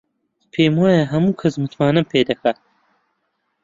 پێم وایە هەموو کەس متمانەم پێ دەکات.